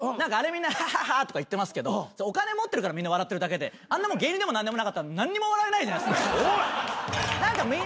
あれみんなハハハッ！とか言ってますけどお金持ってるからみんな笑ってるだけで芸人でも何でもなかったら何にも笑えないじゃないですか。